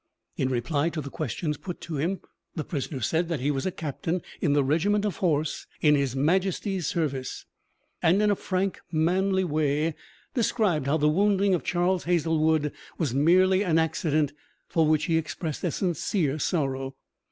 In reply to the questions put to him, the prisoner said that he was a captain in a regiment of horse in his Majesty's service, and in a frank, manly way described how the wounding of Charles Hazlewood was merely an accident, for which he expressed a sincere sorrow.